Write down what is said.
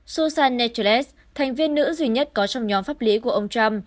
susan necheles thành viên nữ duy nhất có trong nhóm pháp lý của ông trump